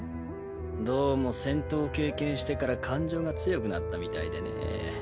どうも戦闘を経験してから感情が強くなったみたいでね。